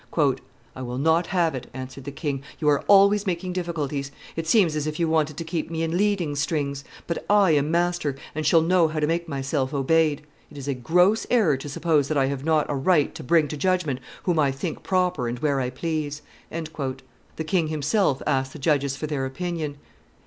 "I will not have it," answered the king; "you are always making difficulties; it seems as if you wanted to keep me in leading strings; but I am master, and shall know how to make myself obeyed: It is a gross error to suppose that I have not a right to bring to judgment whom I think proper and where I please." The king himself asked the judges for their opinion.